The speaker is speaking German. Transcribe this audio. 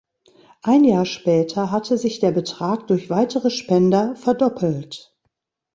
Ein Jahr später hatte sich der Betrag durch weitere Spender verdoppelt.